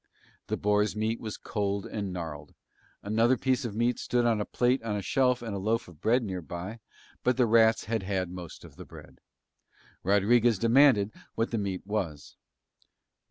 The boar's meat was cold and gnarled, another piece of meat stood on a plate on a shelf and a loaf of bread near by, but the rats had had most of the bread: Rodriguez demanded what the meat was.